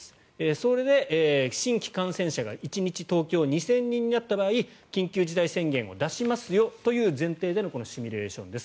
それで新規感染者が１日、東京２０００人になった場合緊急事態宣言を出しますよという前提でのこのシミュレーションです。